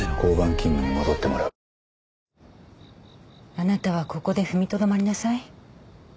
あなたはここで踏みとどまりなさい。